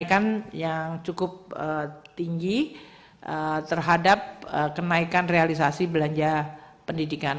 pendidikan yang cukup tinggi terhadap kenaikan realisasi belanja pendidikan